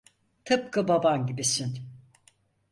Tıpkı baban gibisin.